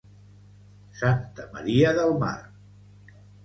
Santa Maria del Mar.